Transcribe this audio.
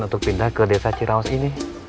untuk pindah ke desa cirawas ini